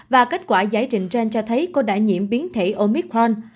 và kết quả giải trình gen cho thấy cô đã nhiễm biến thể omicron